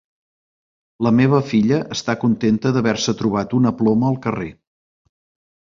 La meva filla està contenta d'haver-se trobat una ploma al carrer.